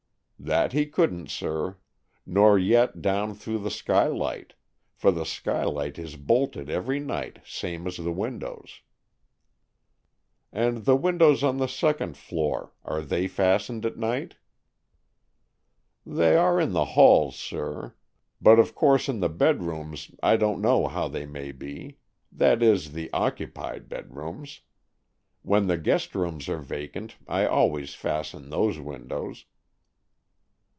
"That he couldn't, sir. Nor yet down through the skylight, for the skylight is bolted every night same as the windows." "And the windows on the second floor—are they fastened at night?" "They are in the halls, sir. But of course in the bedrooms I don't know how they may be. That is, the occupied bedrooms. When the guest rooms are vacant I always fasten those windows."